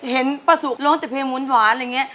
เห็นประสุทธิ์ร้องแต่เพลงวุ้นหวานอะไรอย่างเงี้ย